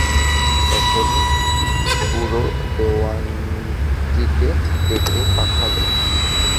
তখনই বুড়ো দেওয়ানজিকে ডেকে পাঠালে।